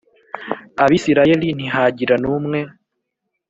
Abisirayeli ntihagira n umwe